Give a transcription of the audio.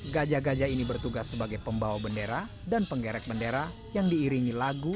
gajah gajah ini bertugas sebagai pembawa bendera dan penggerak bendera yang diiringi lagu